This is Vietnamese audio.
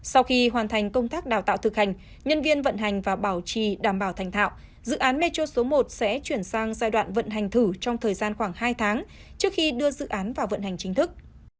sau khi hoàn thành công tác đào tạo thực hành nhân viên vận hành và bảo trì đảm bảo thành thạo dự án metro số một sẽ chuyển sang giai đoạn vận hành thử trong thời gian khoảng hai tháng trước khi đưa dự án vào vận hành chính thức